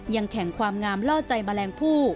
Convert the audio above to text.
ยังแข่งความงามล่อใจแมลงผู้